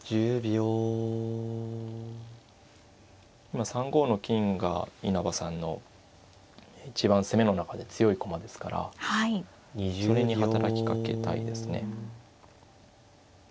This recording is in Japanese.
今３五の金が稲葉さんの一番攻めの中で強い駒ですからそれに働きかけたいですね。